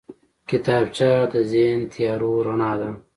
کتابچه د ذهني تیارو رڼا ده